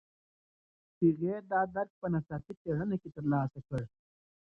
هغې دا درک په ناڅاپي څېړنه کې ترلاسه کړ.